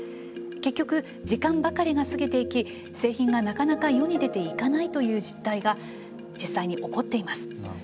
結局、時間ばかりが過ぎていき製品が、なかなか世に出ていかないという実態が実際に起こっています。